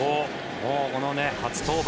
もう、この初登板